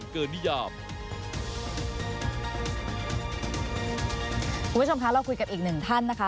คุณผู้ชมคะเราคุยกับอีกหนึ่งท่านนะคะ